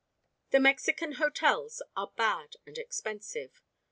The Mexican hotels are bad and expensive.